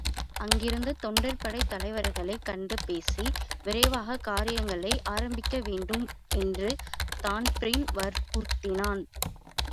அங்கிருந்த்தொண்டர்படைத் தலைவர்களைக் கண்டு பேசி, விரைவாகக் காரியங்களை ஆரம்பிக்கவேண்டும் என்று தான்பிரீன் வர்புறுத்தினான்.